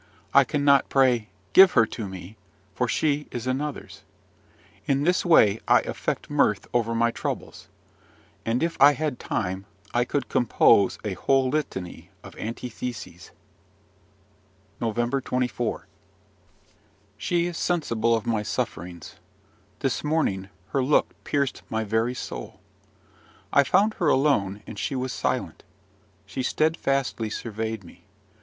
I cannot pray, "Give her to me!" for she is another's. In this way I affect mirth over my troubles; and, if I had time, I could compose a whole litany of antitheses. NOVEMBER 24. She is sensible of my sufferings. This morning her look pierced my very soul. I found her alone, and she was silent: she steadfastly surveyed me.